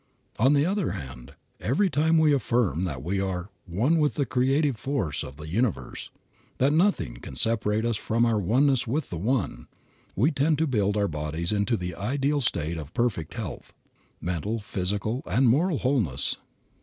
On the other hand, every time we affirm that we are one with the creative Force of the universe, that nothing can separate us from our oneness with the One, we tend to build our bodies into the ideal state of perfect health, mental, physical, and moral wholeness.